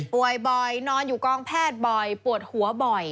บ่อยนอนอยู่กองแพทย์บ่อยปวดหัวบ่อย